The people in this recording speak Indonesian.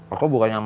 aku bukannya maes